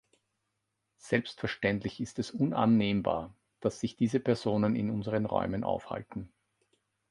Selbstverständlich ist es unannehmbar, dass sich diese Personen in unseren Räumen aufhalten.